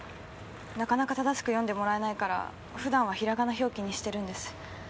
なかなか正しく読んでもらえないから普段は平仮名表記にしてるんです。